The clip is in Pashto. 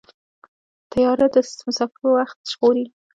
طیاره د مسافرو وخت ژغوري.